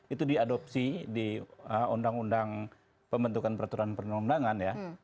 itu diadopsi di undang undang pembentukan peraturan perundangan ya